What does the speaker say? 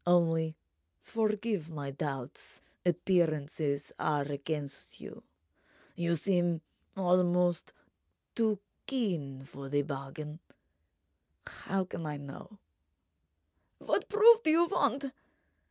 Only—forgive my doubts—appearances are against you—you seem almost too keen for the bargain. How can I know—?" "What proof do you want?"